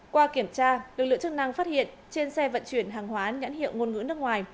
qua kiểm tra lực lượng chức năng phát hiện trên xe vận chuyển hàng hóa nhãn hiệu ngôn ngữ nước ngoài